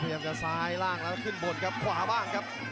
พยายามจะซ้ายล่างแล้วขึ้นบนครับขวาบ้างครับ